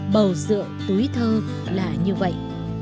bầu rượu túi thơ là như vậy